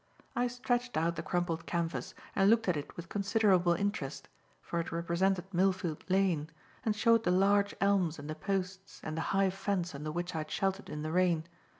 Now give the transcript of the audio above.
I stretched out the crumpled canvas and looked at it with considerable interest, for it represented Millfield Lane, and showed the large elms and the posts and the high fence under which I had sheltered in the rain.